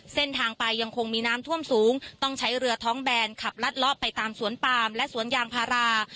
เส้นทางไปยังคงมีน้ำท่วมสูงต้องใช้เรือท้องแบนขับลัดเลาะไปตามสวนปามและสวนยางพารา